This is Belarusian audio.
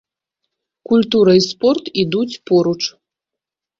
Культура і спорт ідуць поруч.